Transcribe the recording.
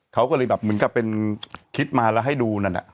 เขาก็เลยแบบเหมือนกับเป็นคิดมาแล้วให้ดูนั่นน่ะ